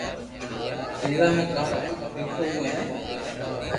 ويوا ۾ ڪاو رکيآوڙو ھي